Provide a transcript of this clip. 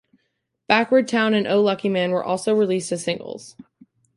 "Backward Town" and "O Lucky Man" were also released as singles.